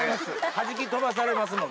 はじき飛ばされますもんね